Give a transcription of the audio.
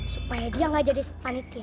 supaya dia nggak jadi panitia